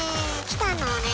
来たのね。